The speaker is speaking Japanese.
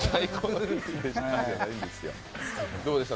どうでした？